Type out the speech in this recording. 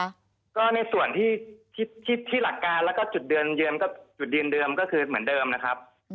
ก็ในส่วนที่หลักการแล้วก็จุดเดือนเดิมก็คือเหมือนเดิมนะครับ